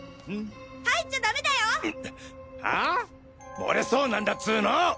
漏れそうなんだっつうの！